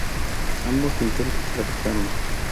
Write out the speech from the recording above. Ambos intentos fracasaron.